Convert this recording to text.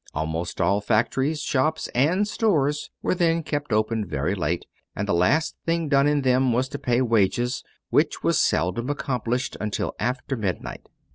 Almost all factories, shops, and stores were then kept open very late, and the last thing done in them was to pay wages, which was seldom accomplished until after midnight.